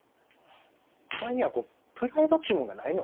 お前にはプライドっちゅうもんがないの？